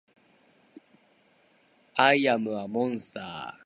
アイアムアモンスター